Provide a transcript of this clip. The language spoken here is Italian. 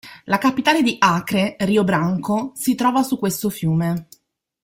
La capitale di Acre, Rio Branco, si trova su questo fiume.